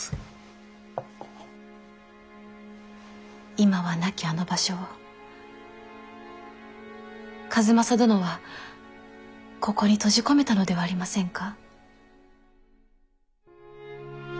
今はなきあの場所を数正殿はここに閉じ込めたのではありませんか？